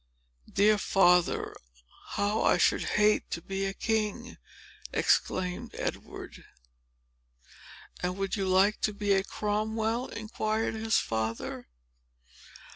"Dear father, how I should hate to be a king!" exclaimed Edward. "And would you like to be a Cromwell?" inquired his father.